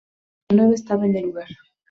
El domingo Villanueva estaba en el lugar.